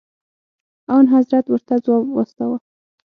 انحضرت ورته ځواب واستوه.